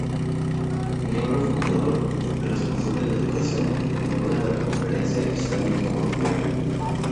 Miembro fundador y responsable de Educación y Cultura de la Conferencia Islámica Europea.